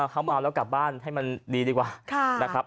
เขาเมาแล้วกลับบ้านให้มันดีดีกว่านะครับ